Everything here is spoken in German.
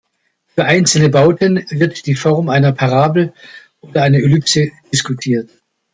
Für einzelne Bauten wird die Form einer Parabel oder einer Ellipse diskutiert.